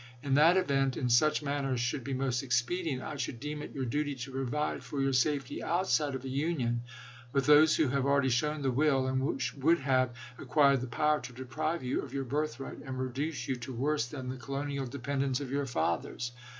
In that event, in such manner as should be most expedient, I should deem it your duty to provide for your safety outside of a Union with those who have already shown the will, and would have ac quired the power, to deprive you of your birthright and reduce you to worse than the colonial dependence of your fathers.